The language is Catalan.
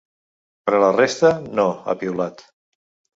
Per a la resta, no, ha piulat.